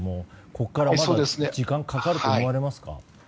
ここからまだまだ時間がかかると思われますか？